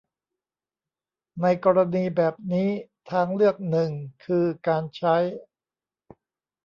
ในกรณีแบบนี้ทางเลือกหนึ่งคือการใช้